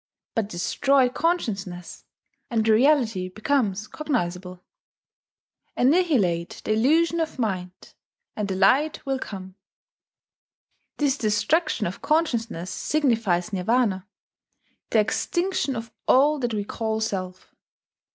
But destroy consciousness, and the Reality becomes cognizable. Annihilate the illusion of Mind, and the light will come." This destruction of consciousness signifies Nirvana, the extinction of all that we call Self.